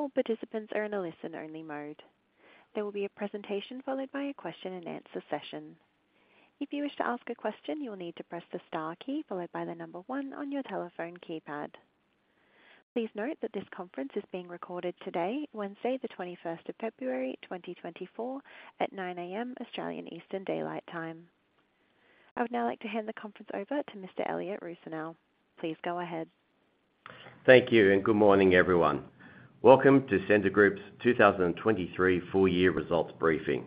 All participants are in a listen-only mode. There will be a presentation followed by a question-and-answer session. If you wish to ask a question, you'll need to press the star key followed by the number one on your telephone keypad. Please note that this conference is being recorded today, Wednesday the 21st of February, 2024, at 9:00 A.M. Australian Eastern Daylight Time. I would now like to hand the conference over to Mr. Elliott Rusanow. Please go ahead. Thank you, and good morning, everyone. Welcome to Scentre Group's 2023 full-year results briefing.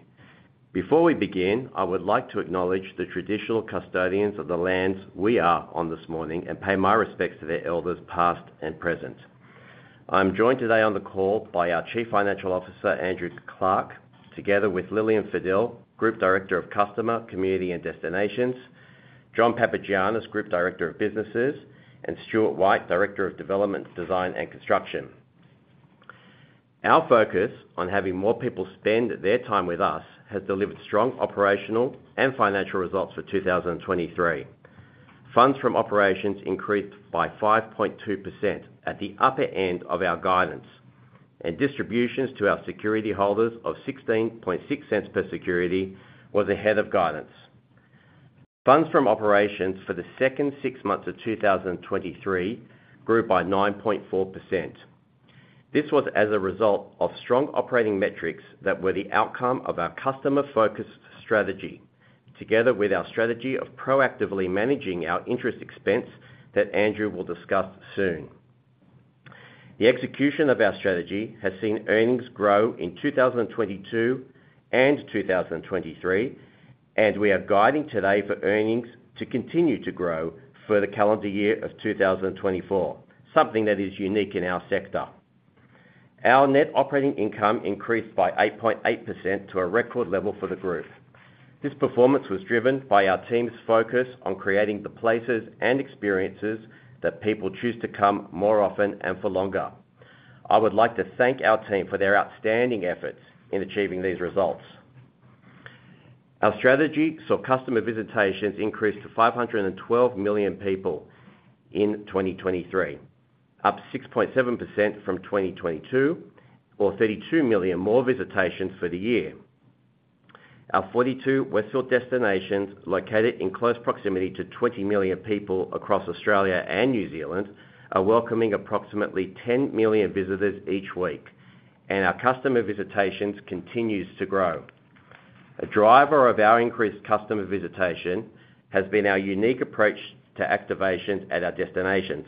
Before we begin, I would like to acknowledge the traditional custodians of the lands we are on this morning and pay my respects to their elders past and present. I'm joined today on the call by our Chief Financial Officer, Andrew Clarke, together with Lillian Fadel, Group Director of Customer, Community, and Destinations, John Papagiannis, Group Director of Businesses, and Stewart White, Director of Development, Design, and Construction. Our focus on having more people spend their time with us has delivered strong operational and financial results for 2023. Funds from operations increased by 5.2% at the upper end of our guidance, and distributions to our security holders of 0.166 per security was ahead of guidance. Funds from operations for the second six months of 2023 grew by 9.4%. This was as a result of strong operating metrics that were the outcome of our customer-focused strategy, together with our strategy of proactively managing our interest expense that Andrew will discuss soon. The execution of our strategy has seen earnings grow in 2022 and 2023, and we are guiding today for earnings to continue to grow for the calendar year of 2024, something that is unique in our sector. Our net operating income increased by 8.8% to a record level for the group. This performance was driven by our team's focus on creating the places and experiences that people choose to come more often and for longer. I would like to thank our team for their outstanding efforts in achieving these results. Our strategy saw customer visitations increase to 512 million people in 2023, up 6.7% from 2022, or 32 million more visitations for the year. Our 42 Westfield destinations, located in close proximity to 20 million people across Australia and New Zealand, are welcoming approximately 10 million visitors each week, and our customer visitations continue to grow. A driver of our increased customer visitation has been our unique approach to activations at our destinations.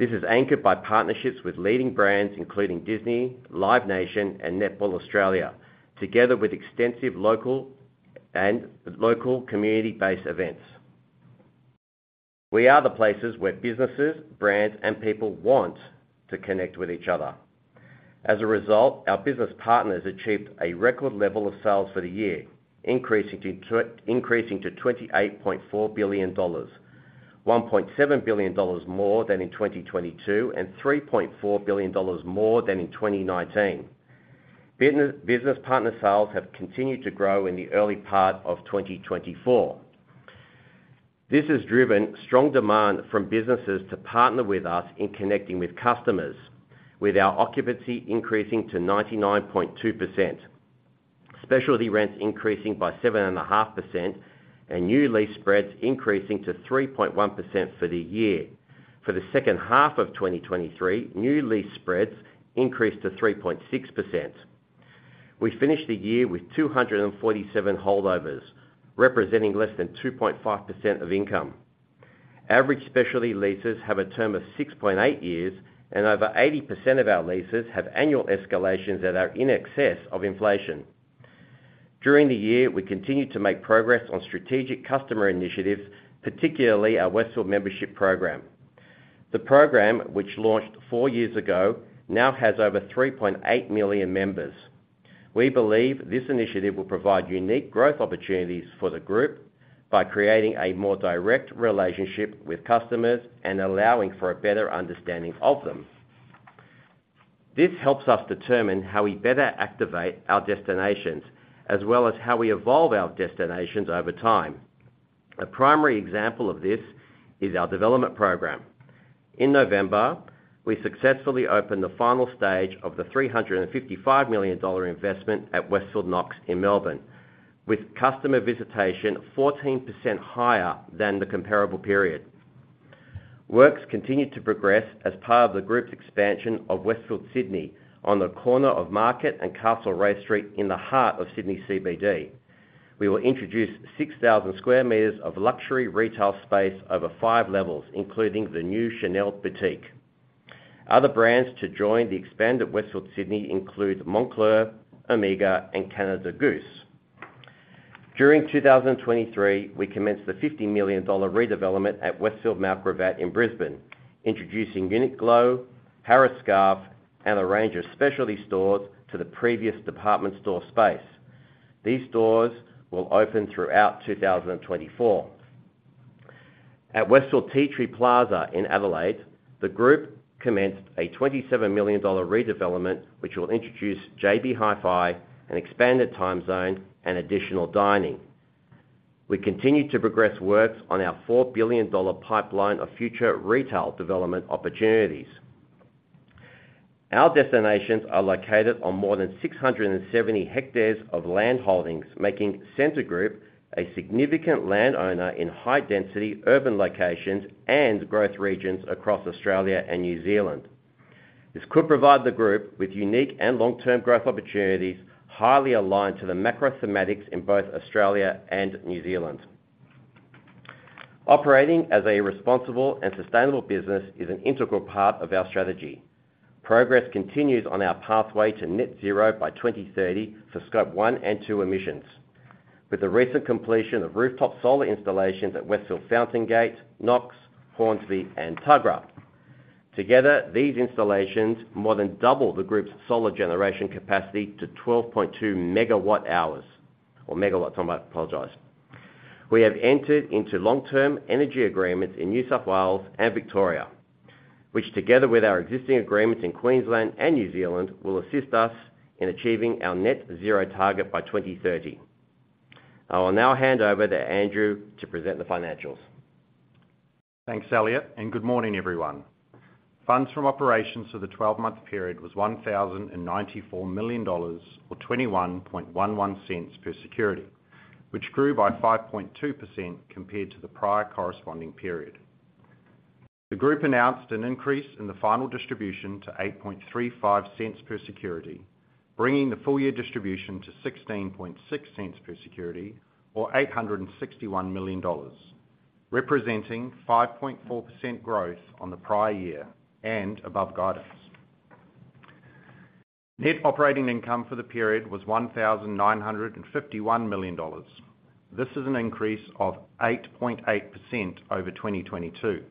This is anchored by partnerships with leading brands, including Disney, Live Nation, and Netball Australia, together with extensive local community-based events. We are the places where businesses, brands, and people want to connect with each other. As a result, our business partners achieved a record level of sales for the year, increasing to 28.4 billion dollars, 1.7 billion dollars more than in 2022, and 3.4 billion dollars more than in 2019. Business partner sales have continued to grow in the early part of 2024. This has driven strong demand from businesses to partner with us in connecting with customers, with our occupancy increasing to 99.2%, specialty rents increasing by 7.5%, and new lease spreads increasing to 3.1% for the year. For the second half of 2023, new lease spreads increased to 3.6%. We finished the year with 247 holdovers, representing less than 2.5% of income. Average specialty leases have a term of 6.8 years, and over 80% of our leases have annual escalations that are in excess of inflation. During the year, we continue to make progress on strategic customer initiatives, particularly our Westfield membership program. The program, which launched four years ago, now has over 3.8 million members. We believe this initiative will provide unique growth opportunities for the group by creating a more direct relationship with customers and allowing for a better understanding of them. This helps us determine how we better activate our destinations, as well as how we evolve our destinations over time. A primary example of this is our development program. In November, we successfully opened the final stage of the 355 million dollar investment at Westfield Knox in Melbourne, with customer visitation 14% higher than the comparable period. Works continue to progress as part of the group's expansion of Westfield Sydney on the corner of Market and Castlereagh Street in the heart of Sydney CBD. We will introduce 6,000 sqm of luxury retail space over five levels, including the new Chanel boutique. Other brands to join the expansion at Westfield Sydney include Moncler, Omega, and Canada Goose. During 2023, we commenced the 50 million dollar redevelopment at Westfield Mt Gravatt in Brisbane, introducing Uniqlo, Harris Scarfe, and a range of specialty stores to the previous department store space. These stores will open throughout 2024. At Westfield Tea Tree Plaza in Adelaide, the group commenced a 27 million dollar redevelopment, which will introduce JB Hi-Fi, an expanded Timezone, and additional dining. We continue to progress works on our 4 billion dollar pipeline of future retail development opportunities. Our destinations are located on more than 670 hectares of land holdings, making Scentre Group a significant landowner in high-density urban locations and growth regions across Australia and New Zealand. This could provide the group with unique and long-term growth opportunities highly aligned to the macro thematics in both Australia and New Zealand. Operating as a responsible and sustainable business is an integral part of our strategy. Progress continues on our pathway to net zero by 2030 for Scope 1 and 2 emissions, with the recent completion of rooftop solar installations at Westfield Fountain Gate, Knox, Hornsby, and Tuggerah. Together, these installations more than double the group's solar generation capacity to 12.2 MWh or megawatts. I apologize. We have entered into long-term energy agreements in New South Wales and Victoria, which, together with our existing agreements in Queensland and New Zealand, will assist us in achieving our net zero target by 2030. I will now hand over to Andrew to present the financials. Thanks, Elliott, and good morning, everyone. Funds from operations for the 12-month period was 1,094 million dollars or 0.2111 per security, which grew by 5.2% compared to the prior corresponding period. The group announced an increase in the final distribution to 0.0835 per security, bringing the full-year distribution to 0.166 per security or 861 million dollars, representing 5.4% growth on the prior year and above guidance. Net operating income for the period was 1,951 million dollars. This is an increase of 8.8% over 2022.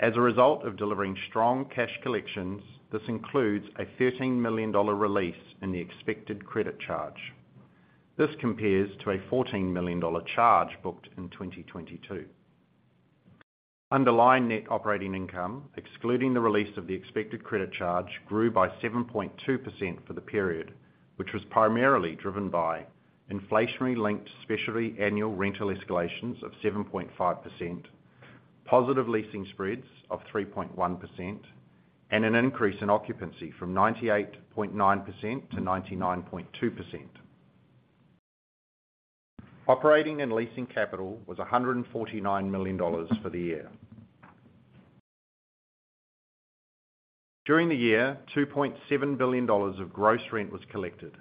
As a result of delivering strong cash collections, this includes a 13 million dollar release in the expected credit charge. This compares to a 14 million dollar charge booked in 2022. Underlying net operating income, excluding the release of the expected credit charge, grew by 7.2% for the period, which was primarily driven by inflationary-linked specialty annual rental escalations of 7.5%, positive leasing spreads of 3.1%, and an increase in occupancy from 98.9% to 99.2%. Operating and leasing capital was 149 million dollars for the year. During the year, 2.7 billion dollars of gross rent was collected.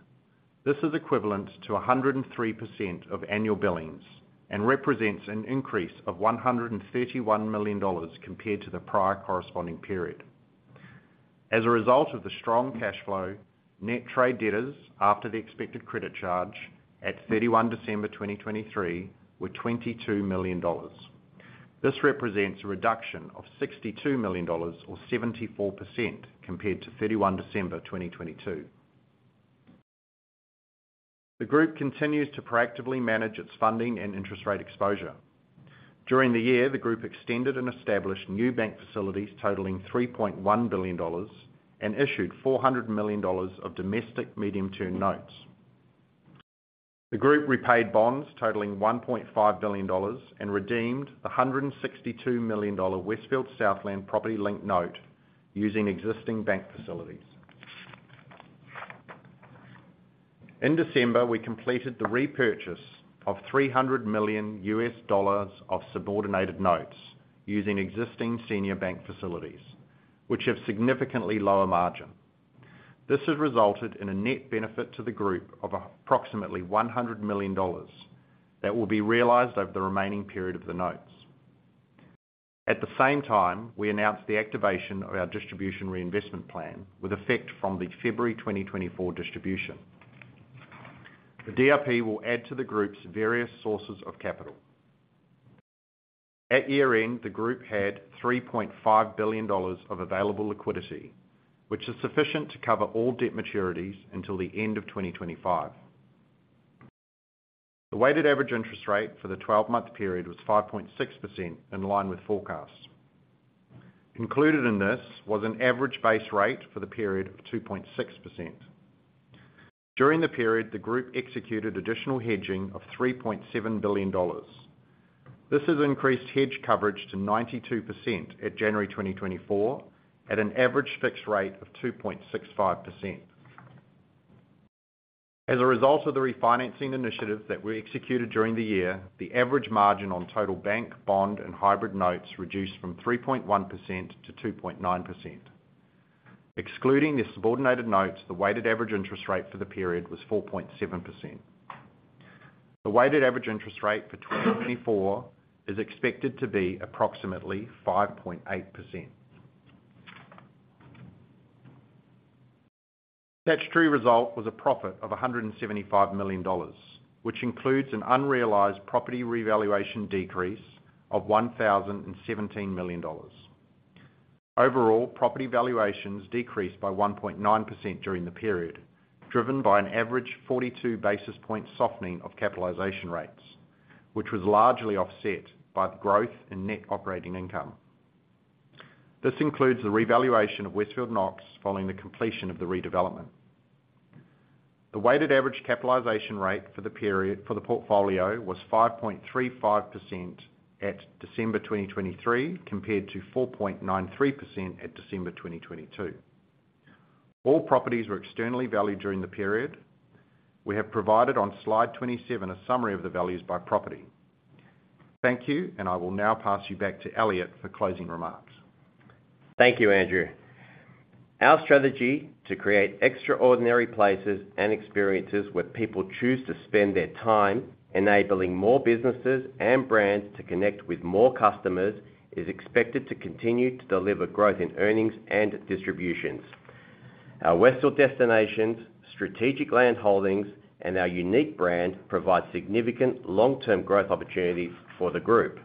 This is equivalent to 103% of annual billings and represents an increase of 131 million dollars compared to the prior corresponding period. As a result of the strong cash flow, net trade debtors after the expected credit charge at 31 December 2023 were 22 million dollars. This represents a reduction of 62 million dollars or 74% compared to 31 December 2022. The group continues to proactively manage its funding and interest rate exposure. During the year, the group extended and established new bank facilities totaling 3.1 billion dollars and issued 400 million dollars of domestic Medium-Term Notes. The group repaid bonds totaling 1.5 billion dollars and redeemed the 162 million dollar Westfield Southland Property-Linked Note using existing bank facilities. In December, we completed the repurchase of AUD 300 million of Subordinated Notes using existing senior bank facilities, which have significantly lower margin. This has resulted in a net benefit to the group of approximately 100 million dollars that will be realized over the remaining period of the notes. At the same time, we announced the activation of our Distribution Reinvestment Plan with effect from the February 2024 distribution. The DRP will add to the group's various sources of capital. At year-end, the group had 3.5 billion dollars of available liquidity, which is sufficient to cover all debt maturities until the end of 2025. The weighted average interest rate for the 12-month period was 5.6% in line with forecasts. Included in this was an average base rate for the period of 2.6%. During the period, the group executed additional hedging of 3.7 billion dollars. This has increased hedge coverage to 92% at January 2024 at an average fixed rate of 2.65%. As a result of the refinancing initiatives that were executed during the year, the average margin on total bank, bond, and hybrid notes reduced from 3.1% to 2.9%. Excluding the subordinated notes, the weighted average interest rate for the period was 4.7%. The weighted average interest rate for 2024 is expected to be approximately 5.8%. The statutory result was a profit of 175 million dollars, which includes an unrealized property revaluation decrease of 1,017 million dollars. Overall, property valuations decreased by 1.9% during the period, driven by an average 42 basis point softening of capitalization rates, which was largely offset by the growth in net operating income. This includes the revaluation of Westfield Knox following the completion of the redevelopment. The weighted average capitalization rate for the portfolio was 5.35% at December 2023 compared to 4.93% at December 2022. All properties were externally valued during the period. We have provided on slide 27 a summary of the values by property. Thank you, and I will now pass you back to Elliott for closing remarks. Thank you, Andrew. Our strategy to create extraordinary places and experiences where people choose to spend their time, enabling more businesses and brands to connect with more customers, is expected to continue to deliver growth in earnings and distributions. Our Westfield destinations, strategic land holdings, and our unique brand provide significant long-term growth opportunities for the group.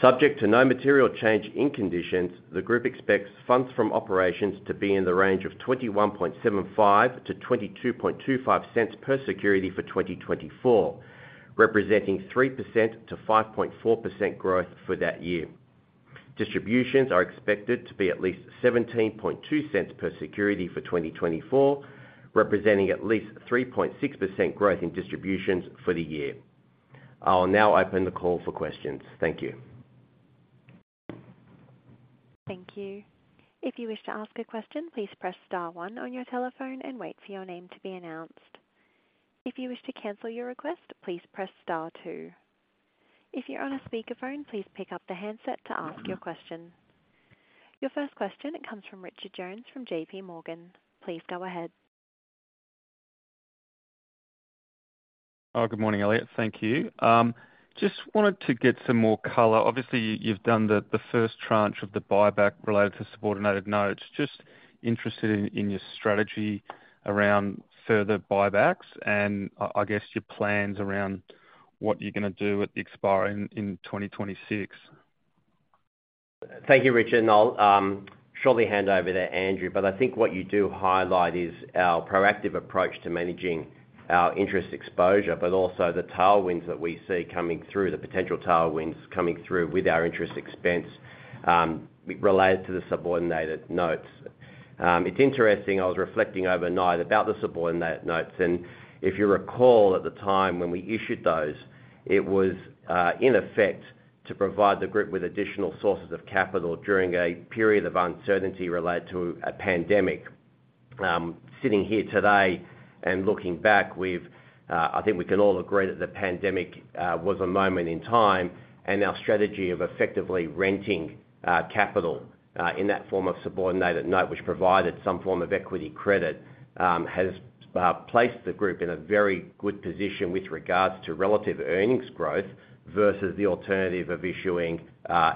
Subject to no material change in conditions, the group expects funds from operations to be in the range of 0.2175-0.2225 per security for 2024, representing 3%-5.4% growth for that year. Distributions are expected to be at least 0.172 per security for 2024, representing at least 3.6% growth in distributions for the year. I will now open the call for questions. Thank you. Thank you. If you wish to ask a question, please press star one on your telephone and wait for your name to be announced. If you wish to cancel your request, please press star two. If you're on a speakerphone, please pick up the handset to ask your question. Your first question, it comes from Richard Jones from JPMorgan. Please go ahead. Good morning, Elliott. Thank you. Just wanted to get some more color. Obviously, you've done the first tranche of the buyback related to subordinated notes. Just interested in your strategy around further buybacks and, I guess, your plans around what you're going to do with the expiry in 2026. Thank you, Richard. And I'll surely hand over to Andrew, but I think what you do highlight is our proactive approach to managing our interest exposure, but also the tailwinds that we see coming through, the potential tailwinds coming through with our interest expense related to the subordinated notes. It's interesting. I was reflecting overnight about the subordinated notes. And if you recall, at the time when we issued those, it was, in effect, to provide the group with additional sources of capital during a period of uncertainty related to a pandemic. Sitting here today and looking back, I think we can all agree that the pandemic was a moment in time. Our strategy of effectively renting capital in that form of subordinated note, which provided some form of equity credit, has placed the group in a very good position with regards to relative earnings growth versus the alternative of issuing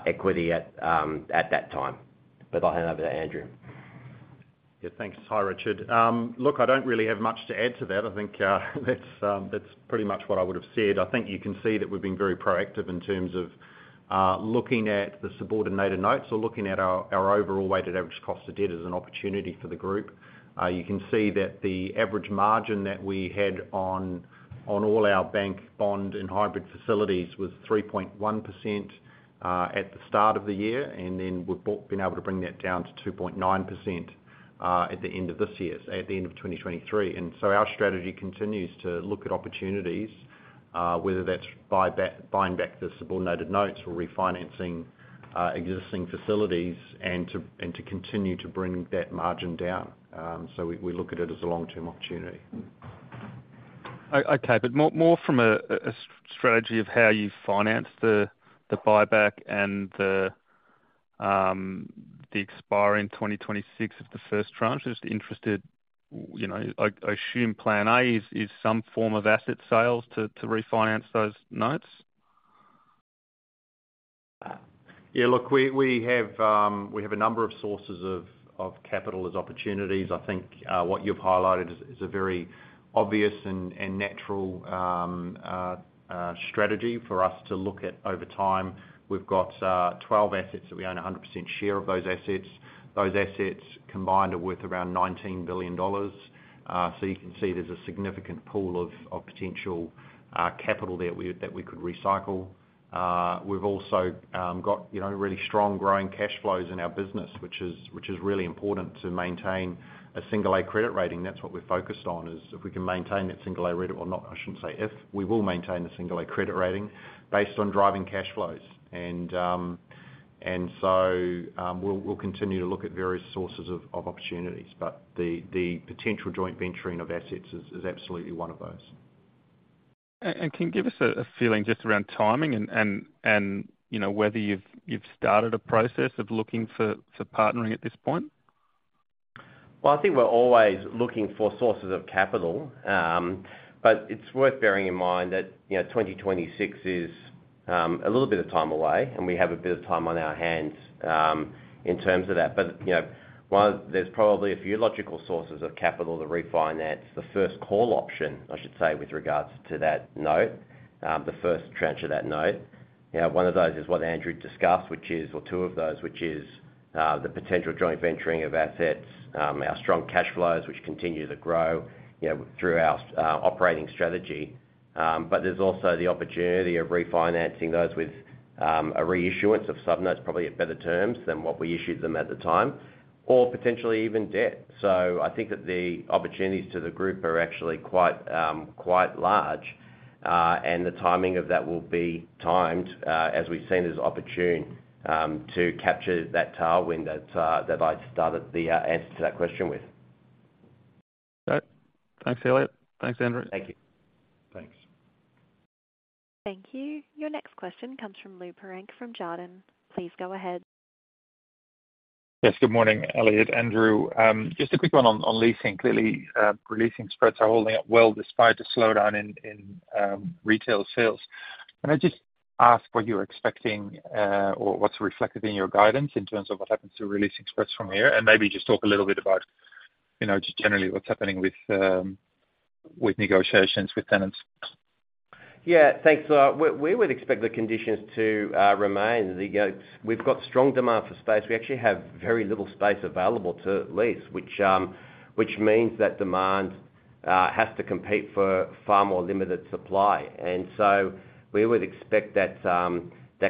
equity at that time. I'll hand over to Andrew. Yeah. Thanks, hi, Richard. Look, I don't really have much to add to that. I think that's pretty much what I would have said. I think you can see that we've been very proactive in terms of looking at the subordinated notes or looking at our overall weighted average cost of debt as an opportunity for the group. You can see that the average margin that we had on all our bank, bond, and hybrid facilities was 3.1% at the start of the year. And then we've been able to bring that down to 2.9% at the end of this year, at the end of 2023. And so our strategy continues to look at opportunities, whether that's buying back the subordinated notes or refinancing existing facilities and to continue to bring that margin down. So we look at it as a long-term opportunity. Okay. But more from a strategy of how you finance the buyback and the expiry in 2026 of the first tranche, just interested. I assume plan A is some form of asset sales to refinance those notes. Yeah. Look, we have a number of sources of capital as opportunities. I think what you've highlighted is a very obvious and natural strategy for us to look at over time. We've got 12 assets that we own 100% share of those assets. Those assets combined are worth around 19 billion dollars. So you can see there's a significant pool of potential capital that we could recycle. We've also got really strong growing cash flows in our business, which is really important to maintain a single-A credit rating. That's what we're focused on, is if we can maintain that single-A rating or not, I shouldn't say if. We will maintain the single-A credit rating based on driving cash flows. And so we'll continue to look at various sources of opportunities. But the potential joint venturing of assets is absolutely one of those. And can you give us a feeling just around timing and whether you've started a process of looking for partnering at this point? Well, I think we're always looking for sources of capital. But it's worth bearing in mind that 2026 is a little bit of time away, and we have a bit of time on our hands in terms of that. But there's probably a few logical sources of capital to refine that. It's the first call option, I should say, with regards to that note, the first tranche of that note. One of those is what Andrew discussed, or two of those, which is the potential joint venturing of assets, our strong cash flows, which continue to grow through our operating strategy. But there's also the opportunity of refinancing those with a reissuance of subnotes, probably at better terms than what we issued them at the time, or potentially even debt. So I think that the opportunities to the group are actually quite large. The timing of that will be timed, as we've seen, as opportune to capture that tailwind that I started the answer to that question with. Thanks, Elliott. Thanks, Andrew. Thank you. Thanks. Thank you. Your next question comes from Lou Pirenc from Jarden. Please go ahead. Yes. Good morning, Elliott. Andrew, just a quick one on leasing. Clearly, leasing spreads are holding up well despite a slowdown in retail sales. Can I just ask what you're expecting or what's reflected in your guidance in terms of what happens to leasing spreads from here? And maybe just talk a little bit about just generally what's happening with negotiations with tenants. Yeah. Thanks. We would expect the conditions to remain. We've got strong demand for space. We actually have very little space available to lease, which means that demand has to compete for far more limited supply. And so we would expect that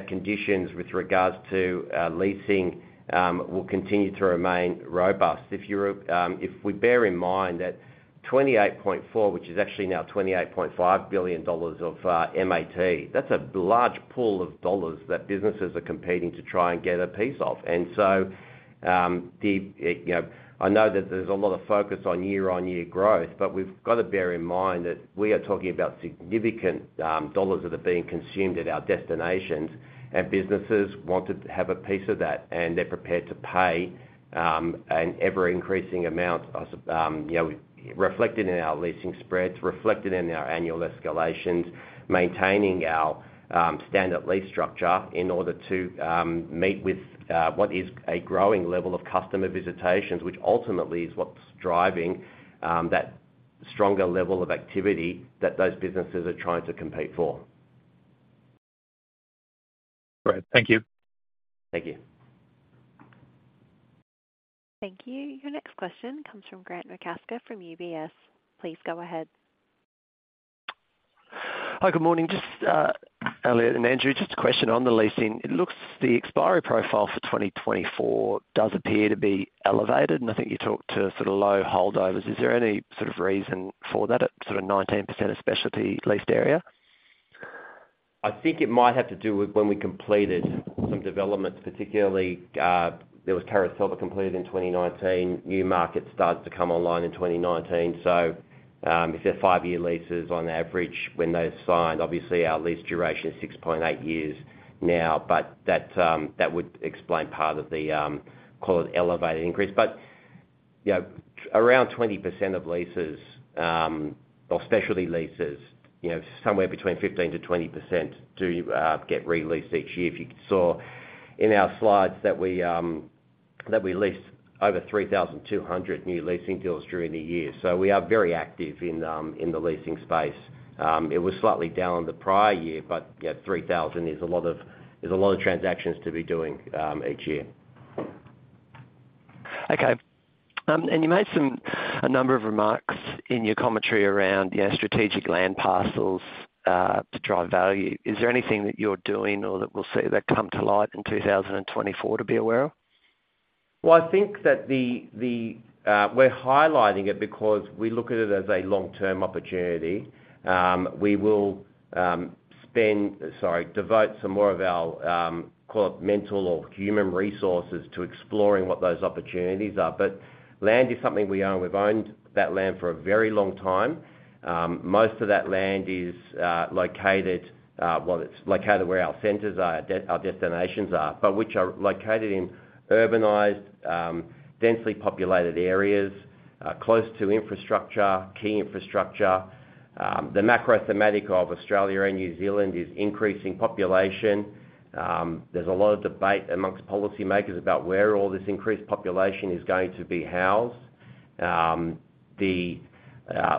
conditions with regards to leasing will continue to remain robust. If we bear in mind that 28.4 billion, which is actually now 28.5 billion dollars of MAT, that's a large pool of dollars that businesses are competing to try and get a piece of. And so I know that there's a lot of focus on year-on-year growth, but we've got to bear in mind that we are talking about significant dollars that are being consumed at our destinations, and businesses want to have a piece of that. They're prepared to pay an ever-increasing amount, reflected in our leasing spreads, reflected in our annual escalations, maintaining our standard lease structure in order to meet with what is a growing level of customer visitations, which ultimately is what's driving that stronger level of activity that those businesses are trying to compete for. Great. Thank you. Thank you. Thank you. Your next question comes from Grant McCasker from UBS. Please go ahead. Hi. Good morning, Elliott and Andrew. Just a question on the leasing. It looks the expiry profile for 2024 does appear to be elevated, and I think you talked to sort of low holdovers. Is there any sort of reason for that, sort of 19% of specialty leased area? I think it might have to do with when we completed some developments, particularly there was Carousel that completed in 2019. Newmarket started to come online in 2019. So if they're five-year leases on average, when they're signed, obviously, our lease duration is 6.8 years now, but that would explain part of the, call it, elevated increase. But around 20% of leases or specialty leases, somewhere between 15%-20%, do get released each year. You saw in our slides that we leased over 3,200 new leasing deals during the year. So we are very active in the leasing space. It was slightly down the prior year, but 3,000 is a lot of there's a lot of transactions to be doing each year. Okay. You made a number of remarks in your commentary around strategic land parcels to drive value. Is there anything that you're doing or that we'll see that come to light in 2024 to be aware of? Well, I think that we're highlighting it because we look at it as a long-term opportunity. We will spend, sorry, devote some more of our, call it, mental or human resources to exploring what those opportunities are. But land is something we own. We've owned that land for a very long time. Most of that land is located, well, it's located where our centers are, our destinations are, but which are located in urbanized, densely populated areas, close to infrastructure, key infrastructure. The macro-thematic of Australia and New Zealand is increasing population. There's a lot of debate among policymakers about where all this increased population is going to be housed. The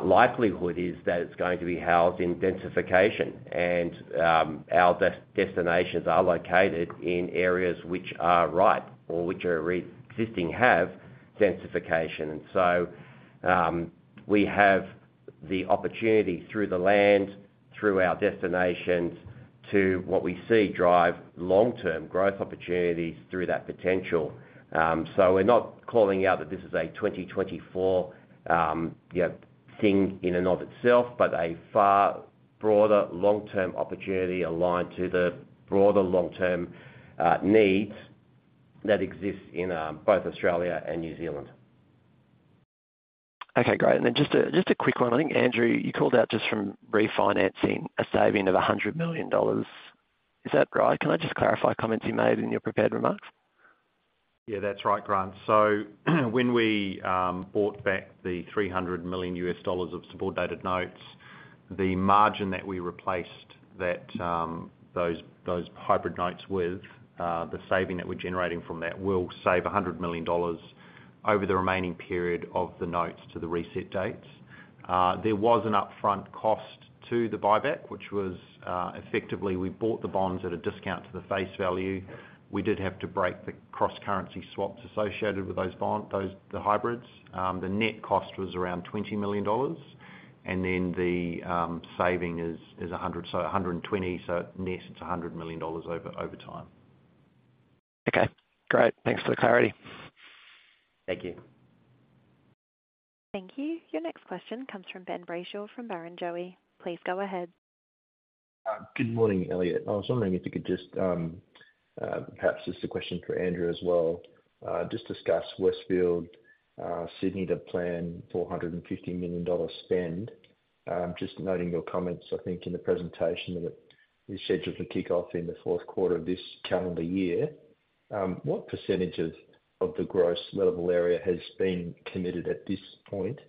likelihood is that it's going to be housed in densification. And our destinations are located in areas which are ripe or which already existing have densification. And so we have the opportunity through the land, through our destinations, to what we see drive long-term growth opportunities through that potential. So we're not calling out that this is a 2024 thing in and of itself, but a far broader long-term opportunity aligned to the broader long-term needs that exist in both Australia and New Zealand. Okay. Great. And then just a quick one. I think, Andrew, you called out just from refinancing a saving of 100 million dollars. Is that right? Can I just clarify comments you made in your prepared remarks? Yeah. That's right, Grant. So when we bought back the AUD 300 million of Subordinated Notes, the margin that we replaced those hybrid notes with, the saving that we're generating from that, will save 100 million dollars over the remaining period of the notes to the reset dates. There was an upfront cost to the buyback, which was effectively, we bought the bonds at a discount to the face value. We did have to break the cross-currency swaps associated with those hybrids. The net cost was around 20 million dollars. And then the saving is 100 so 120. So net, it's 100 million dollars over time. Okay. Great. Thanks for the clarity. Thank you. Thank you. Your next question comes from Ben Brayshaw from Barrenjoey. Please go ahead. Good morning, Elliott. I was wondering if you could just perhaps this is a question for Andrew as well. Just discuss Westfield Sydney to plan 450 million dollars spend. Just noting your comments, I think, in the presentation that it is scheduled to kick off in the fourth quarter of this calendar year. What percentage of the gross level area has been committed at this point?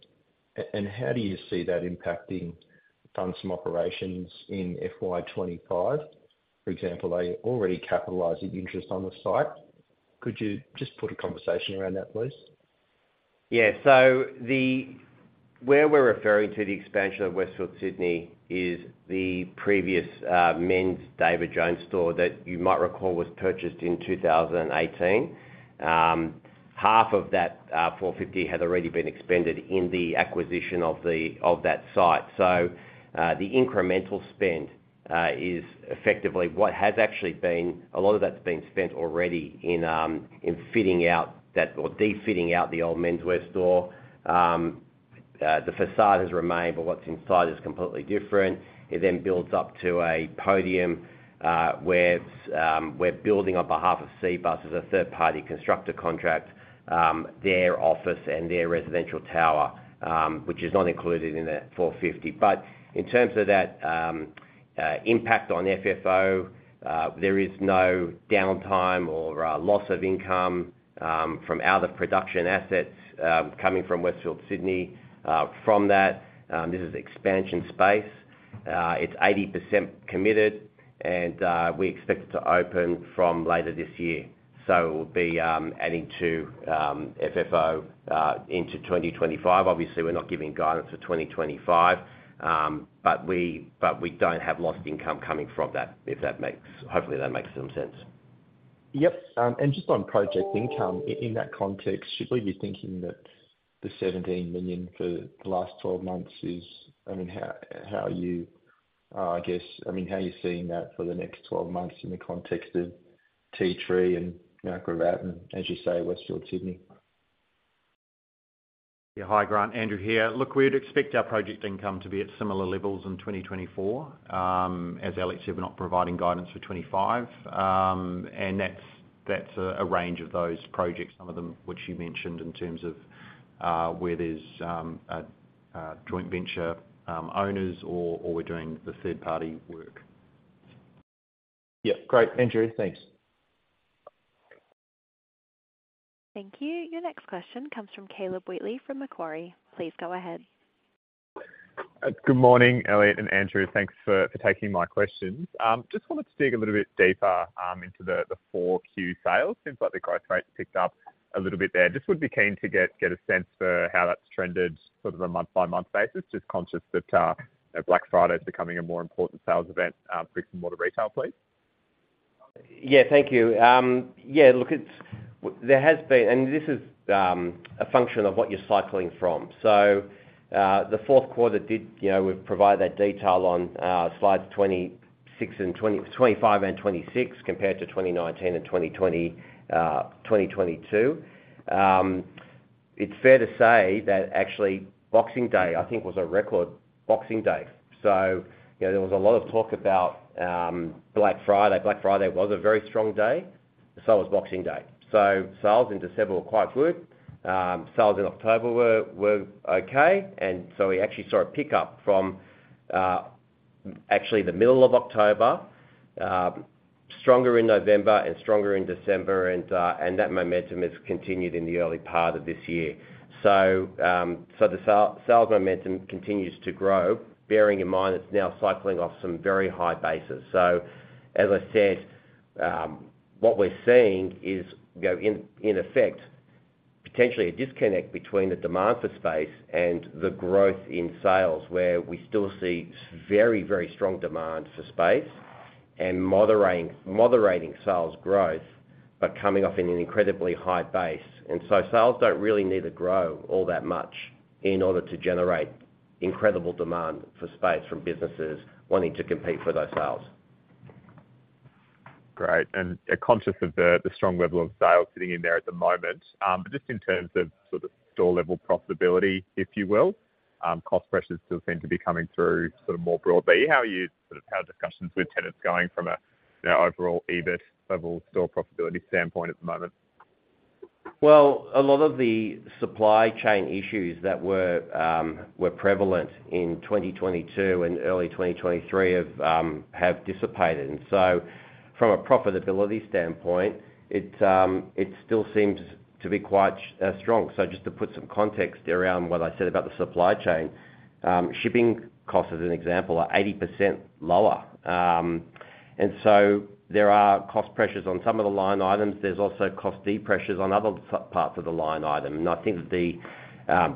And how do you see that impacting funds and operations in FY 2025? For example, are you already capitalizing interest on the site? Could you just put a conversation around that, please? Yeah. So where we're referring to the expansion of Westfield Sydney is the previous men's David Jones store that you might recall was purchased in 2018. Half of that 450 million had already been expended in the acquisition of that site. So the incremental spend is effectively what has actually been a lot of that's been spent already in fitting out that or defitting out the old men's wear store. The facade has remained, but what's inside is completely different. It then builds up to a podium where we're building on behalf of Cbus. There's a third-party constructor contract, their office and their residential tower, which is not included in the 450 million. But in terms of that impact on FFO, there is no downtime or loss of income from out-of-production assets coming from Westfield Sydney from that. This is expansion space. It's 80% committed, and we expect it to open from later this year. So it will be adding to FFO into 2025. Obviously, we're not giving guidance for 2025, but we don't have lost income coming from that, hopefully, that makes some sense. Yep. And just on project income in that context, should we be thinking that the 17 million for the last 12 months is I mean, how are you, I guess I mean, how are you seeing that for the next 12 months in the context of Tea Tree and Gravatt and, as you say, Westfield Sydney? Yeah. Hi, Grant. Andrew here. Look, we would expect our project income to be at similar levels in 2024, as Elliott said. We're not providing guidance for 2025. That's a range of those projects, some of them which you mentioned in terms of where there's joint venture owners or we're doing the third-party work. Yep. Great. Andrew, thanks. Thank you. Your next question comes from Caleb Wheatley from Macquarie. Please go ahead. Good morning, Elliott and Andrew. Thanks for taking my questions. Just wanted to dig a little bit deeper into the 4Q sales. Seems like the like rate's picked up a little bit there. Just would be keen to get a sense for how that's trended sort of a month-by-month basis, just conscious that Black Friday's becoming a more important sales event. Ben Brayshaw, Barrenjoey, please. Yeah. Thank you. Yeah. Look, there has been and this is a function of what you're cycling from. So the fourth quarter, we've provided that detail on slides 25 and 26 compared to 2019 and 2022. It's fair to say that actually, Boxing Day, I think, was a record Boxing Day. So there was a lot of talk about Black Friday. Black Friday was a very strong day. So was Boxing Day. So sales in December were quite good. Sales in October were okay. And so we actually saw a pickup from actually the middle of October, stronger in November and stronger in December. And that momentum has continued in the early part of this year. So the sales momentum continues to grow, bearing in mind it's now cycling off some very high bases. So as I said, what we're seeing is, in effect, potentially a disconnect between the demand for space and the growth in sales where we still see very, very strong demand for space and moderating sales growth but coming off in an incredibly high base. And so sales don't really need to grow all that much in order to generate incredible demand for space from businesses wanting to compete for those sales. Great. And conscious of the strong level of sales sitting in there at the moment, but just in terms of sort of store-level profitability, if you will, cost pressures still seem to be coming through sort of more broadly. How are discussions with tenants going from an overall EBIT level store profitability standpoint at the moment? Well, a lot of the supply chain issues that were prevalent in 2022 and early 2023 have dissipated. From a profitability standpoint, it still seems to be quite strong. Just to put some context around what I said about the supply chain, shipping costs, as an example, are 80% lower. There are cost pressures on some of the line items. There's also cost depressures on other parts of the line item. I think that the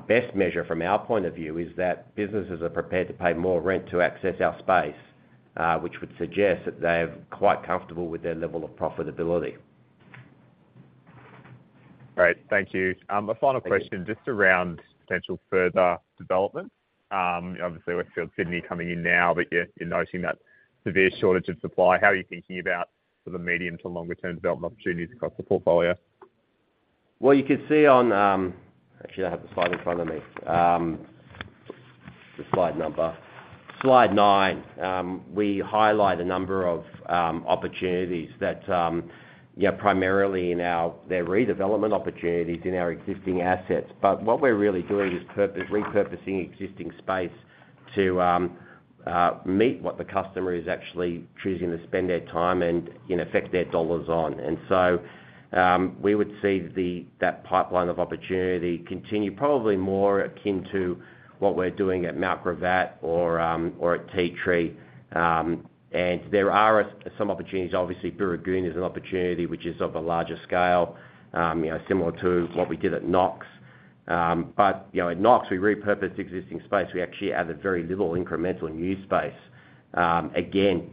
best measure from our point of view is that businesses are prepared to pay more rent to access our space, which would suggest that they're quite comfortable with their level of profitability. Great. Thank you. A final question just around potential further developments. Obviously, Westfield Sydney coming in now, but you're noting that severe shortage of supply. How are you thinking about sort of medium to longer-term development opportunities across the portfolio? Well, you could see. Actually, I have the slide in front of me. The slide number. Slide nine, we highlight a number of opportunities that primarily in our they're redevelopment opportunities in our existing assets. But what we're really doing is repurposing existing space to meet what the customer is actually choosing to spend their time and, in effect, their dollars on. And so we would see that pipeline of opportunity continue, probably more akin to what we're doing at Mt Gravatt or at Tea Tree. And there are some opportunities. Obviously, Burwood is an opportunity which is of a larger scale, similar to what we did at Knox. But at Knox, we repurposed existing space. We actually added very little incremental new space, again,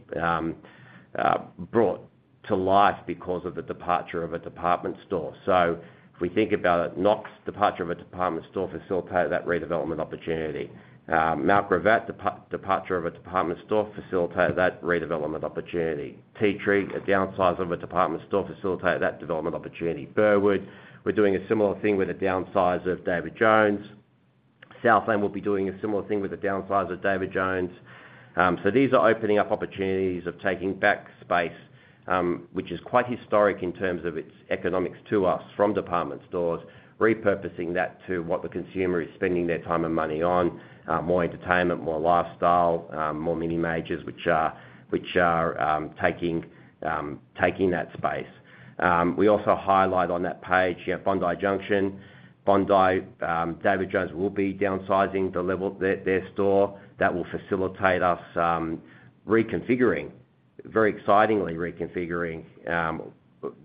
brought to life because of the departure of a department store. So if we think about it, Knox's departure of a department store facilitated that redevelopment opportunity. Mt Gravatt's departure of a department store facilitated that redevelopment opportunity. Tea Tree, a downsize of a department store, facilitated that development opportunity. Burwood, we're doing a similar thing with a downsize of David Jones. Southland will be doing a similar thing with a downsize of David Jones. So these are opening up opportunities of taking back space, which is quite historic in terms of its economics to us from department stores, repurposing that to what the consumer is spending their time and money on, more entertainment, more lifestyle, more mini-majors, which are taking that space. We also highlight on that page Bondi Junction. David Jones will be downsizing their store. That will facilitate us reconfiguring, very excitingly reconfiguring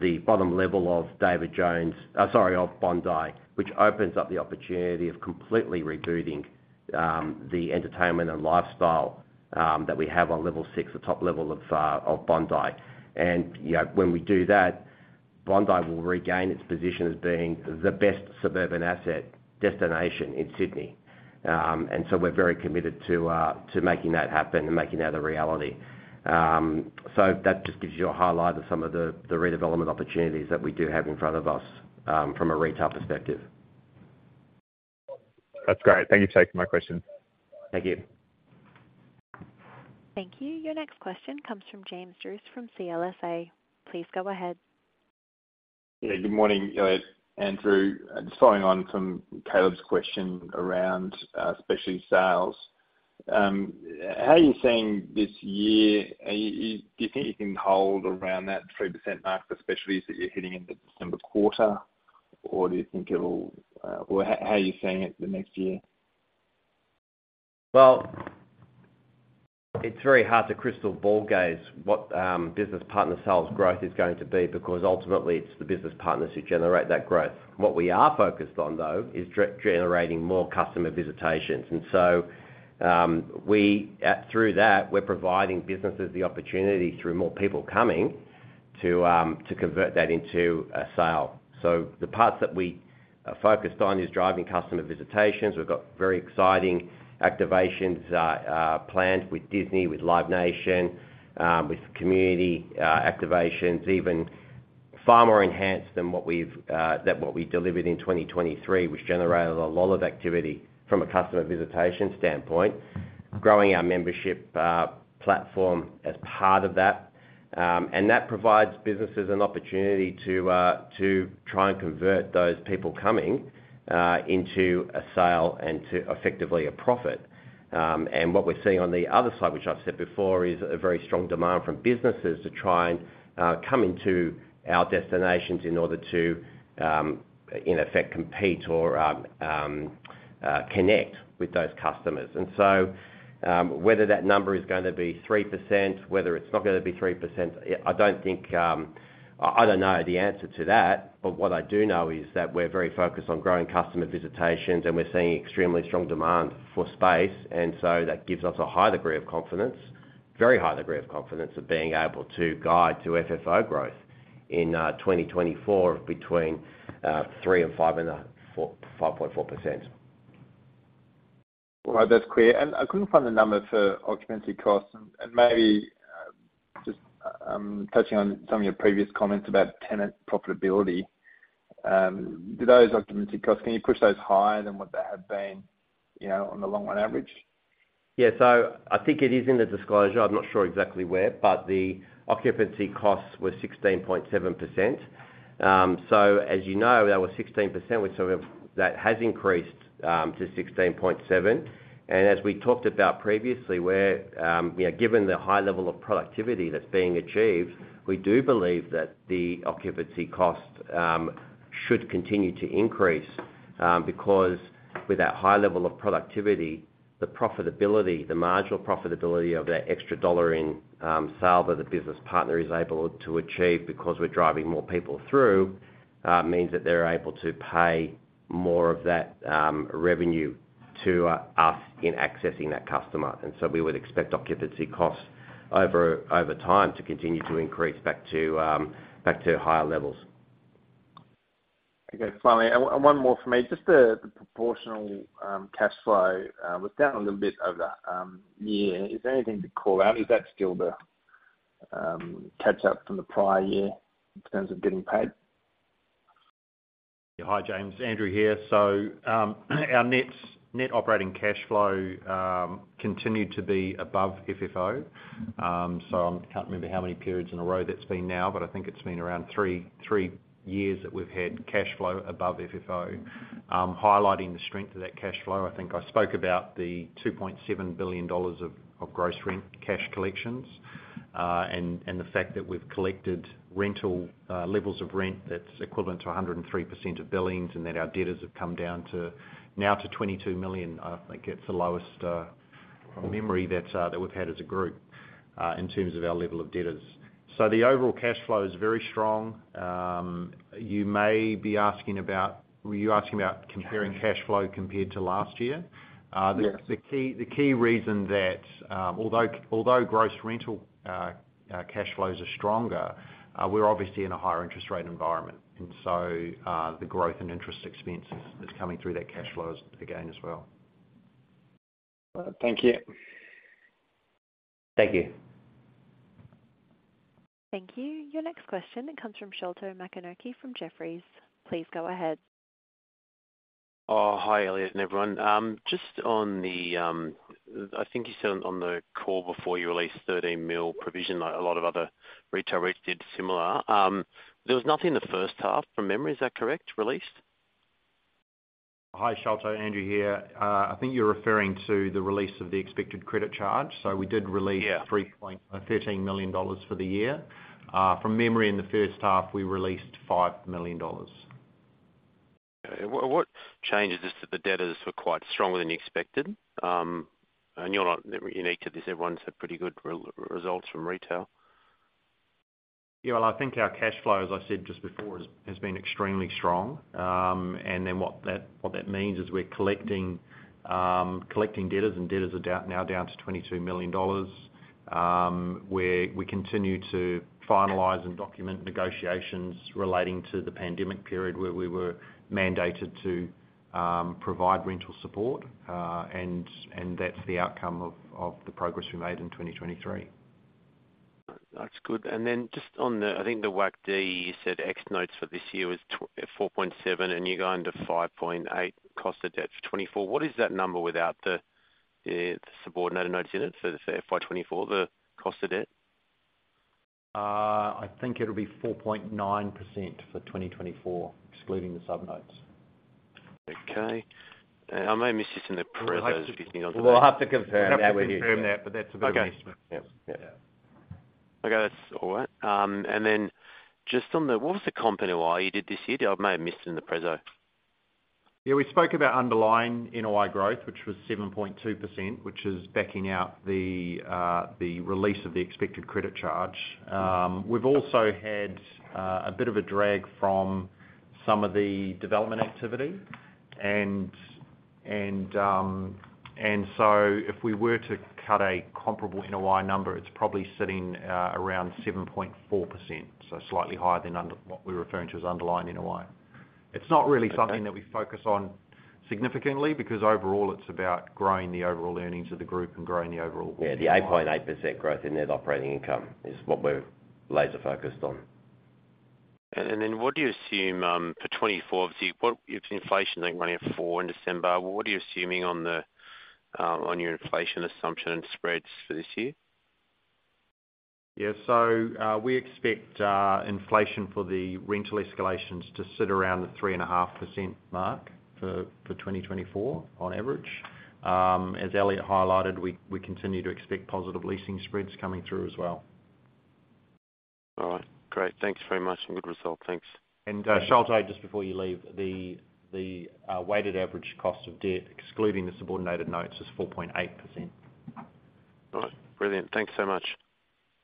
the bottom level of David Jones sorry, of Bondi, which opens up the opportunity of completely rebooting the entertainment and lifestyle that we have on level six, the top level of Bondi. And when we do that, Bondi will regain its position as being the best suburban asset destination in Sydney. And so we're very committed to making that happen and making that a reality. So that just gives you a highlight of some of the redevelopment opportunities that we do have in front of us from a retail perspective. That's great. Thank you for taking my questions. Thank you. Thank you. Your next question comes from James Druce from CLSA. Please go ahead. Yeah. Good morning, Elliott. Andrew, just following on from Caleb's question around specialty sales. How are you seeing this year? Do you think you can hold around that 3% mark, the specialties that you're hitting in the December quarter, or do you think it'll or how are you seeing it the next year? Well, it's very hard to crystal ball gaze what business partner sales growth is going to be because, ultimately, it's the business partners who generate that growth. What we are focused on, though, is generating more customer visitations. And so through that, we're providing businesses the opportunity through more people coming to convert that into a sale. So the parts that we are focused on is driving customer visitations. We've got very exciting activations planned with Disney, with Live Nation, with community activations, even far more enhanced than what we delivered in 2023, which generated a lot of activity from a customer visitation standpoint, growing our membership platform as part of that. And that provides businesses an opportunity to try and convert those people coming into a sale and to effectively a profit. What we're seeing on the other side, which I've said before, is a very strong demand from businesses to try and come into our destinations in order to, in effect, compete or connect with those customers. And so whether that number is going to be 3%, whether it's not going to be 3%, I don't know the answer to that. But what I do know is that we're very focused on growing customer visitations, and we're seeing extremely strong demand for space. And so that gives us a high degree of confidence, very high degree of confidence, of being able to guide to FFO growth in 2024 between 3% and 5.4%. All right. That's clear. I couldn't find the number for occupancy costs. Maybe just touching on some of your previous comments about tenant profitability, do those occupancy costs can you push those higher than what they have been on the long-run average? Yeah. So I think it is in the disclosure. I'm not sure exactly where. But the occupancy costs were 16.7%. So as you know, they were 16%, which sort of has increased to 16.7%. And as we talked about previously, given the high level of productivity that's being achieved, we do believe that the occupancy costs should continue to increase because with that high level of productivity, the profitability, the marginal profitability of that extra dollar in sale that the business partner is able to achieve because we're driving more people through means that they're able to pay more of that revenue to us in accessing that customer. And so we would expect occupancy costs over time to continue to increase back to higher levels. Okay. Finally, one more for me. Just the proportional cash flow was down a little bit over that year. Is there anything to call out? Is that still the catch-up from the prior year in terms of getting paid? Yeah. Hi, James. Andrew here. So our net operating cash flow continued to be above FFO. So I can't remember how many periods in a row that's been now, but I think it's been around three years that we've had cash flow above FFO, highlighting the strength of that cash flow. I think I spoke about the 2.7 billion dollars of gross rent cash collections and the fact that we've collected levels of rent that's equivalent to 103% of billings and that our debtors have come down now to 22 million. I think it's the lowest memory that we've had as a group in terms of our level of debtors. So the overall cash flow is very strong. You may be asking about are you asking about comparing cash flow compared to last year? The key reason that although gross rental cash flows are stronger, we're obviously in a higher interest rate environment. And so the growth in interest expenses is coming through that cash flow again as well. All right. Thank you. Thank you. Thank you. Your next question, it comes from Sholto Maconochie from Jefferies. Please go ahead. Hi, Elliott and everyone. Just on the, I think you said on the call before you released 13 million provision, a lot of other retail REITs did similar. There was nothing in the first half, from memory. Is that correct? Released? Hi, Sholto. Andrew here. I think you're referring to the release of the expected credit charge. So we did release 13 million dollars for the year. From memory, in the first half, we released 5 million dollars. What changes is that the debtors were quite stronger than expected? You're not unique to this. Everyone's had pretty good results from retail. Yeah. Well, I think our cash flow, as I said just before, has been extremely strong. And then what that means is we're collecting debtors, and debtors are now down to 22 million dollars. We continue to finalize and document negotiations relating to the pandemic period where we were mandated to provide rental support. And that's the outcome of the progress we made in 2023. That's good. And then just on the, I think, the WACD, you said ex-notes for this year was 4.7%, and you're going to 5.8% cost of debt for 2024. What is that number without the subordinated notes in it for FY 2024, the cost of debt? I think it'll be 4.9% for 2024, excluding the sub-notes. Okay. I may have missed this in the preso. If you've seen onto that. Well, I'll have to confirm that when you're. I have to confirm that, but that's a good estimate. Okay. That's all right. And then just on, what was the company NOI you did this year? I may have missed it in the preso. Yeah. We spoke about underlying NOI growth, which was 7.2%, which is backing out the release of the expected credit charge. We've also had a bit of a drag from some of the development activity. And so if we were to cut a comparable NOI number, it's probably sitting around 7.4%, so slightly higher than what we're referring to as underlying NOI. It's not really something that we focus on significantly because, overall, it's about growing the overall earnings of the group and growing the overall growth. Yeah. The 8.8% growth in net operating income is what we're laser-focused on. And then what do you assume for 2024? Obviously, if inflation's only running at 4% in December, what are you assuming on your inflation assumption and spreads for this year? Yeah. So we expect inflation for the rental escalations to sit around the 3.5% mark for 2024, on average. As Elliott highlighted, we continue to expect positive leasing spreads coming through as well. All right. Great. Thanks very much and good result. Thanks. Sholto, just before you leave, the weighted average cost of debt, excluding the Subordinated Notes, is 4.8%. All right. Brilliant. Thanks so much.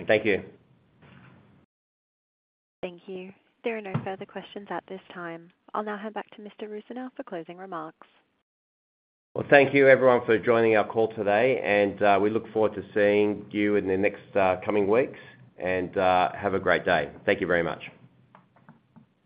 Thank you. Thank you. There are no further questions at this time. I'll now hand back to Mr. Rusanow for closing remarks. Well, thank you, everyone, for joining our call today. We look forward to seeing you in the next coming weeks. Have a great day. Thank you very much.